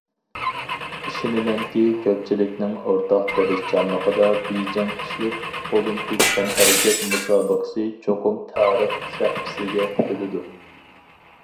ئىشىنىمەنكى، كۆپچىلىكنىڭ ئورتاق تىرىشچانلىقىدا، بېيجىڭ قىشلىق ئولىمپىك تەنھەرىكەت مۇسابىقىسى چوقۇم تارىخ سەھىپىسىگە پۈتۈلىدۇ.